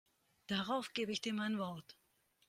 Darauf gebe ich dir mein Wort.